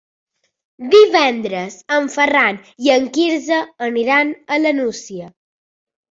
Divendres en Ferran i en Quirze aniran a la Nucia.